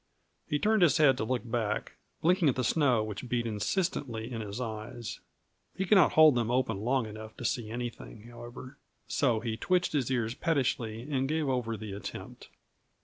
He turned his head to look back, blinking at the snow which beat insistently in his eyes; he could not hold them open long enough to see anything, however, so he twitched his ears pettishly and gave over the attempt.